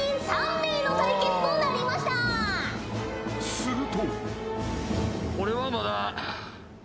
［すると］